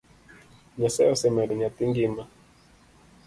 Nyasaye osemedo nyathi ngima